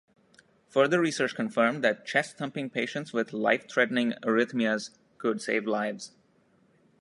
Further research confirmed that chest thumping patients with life-threatening arrhythmias could save lives.